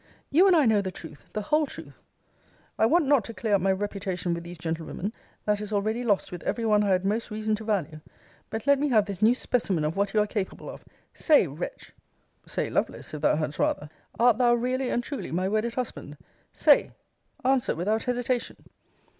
] You and I know the truth, the whole truth. I want not to clear up my reputation with these gentlewomen: that is already lost with every one I had most reason to value: but let me have this new specimen of what you are capable of say, wretch, (say, Lovelace, if thou hadst rather,) art thou really and truly my wedded husband? Say; answer without hesitation.